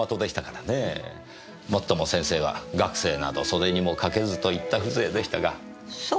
最も先生は学生など袖にもかけずといった風情でしたが。